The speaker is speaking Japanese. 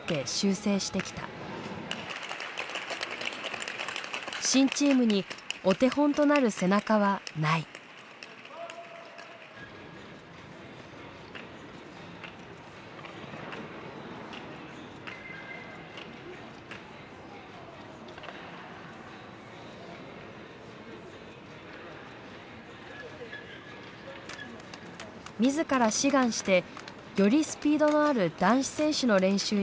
自ら志願してよりスピードのある男子選手の練習に加わることにした。